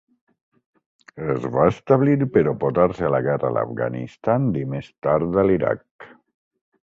Es va establir per oposar-se a la guerra a l'Afganistan i més tard a l'Iraq.